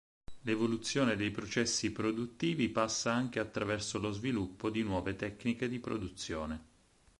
L'evoluzione dei processi produttivi passa anche attraverso lo sviluppo di nuove tecniche di produzione.